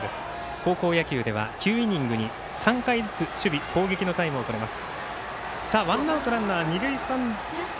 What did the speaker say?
高校野球では９イニングに３回ずつ守備、攻撃のタイムをとれます。